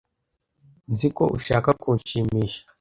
Nzi ko ushaka kunshimisha.